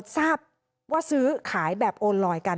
ทราบว่าซื้อขายแบบโอนลอยกัน